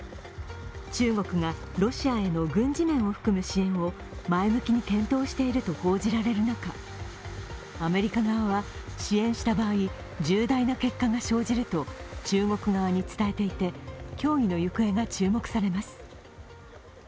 中国がロシアへの軍事面を含む支援を前向きに検討していると報じられる中、アメリカ側は支援した場合、重大な結果が生じると中国側に伝えていて協議の行方が注目されます。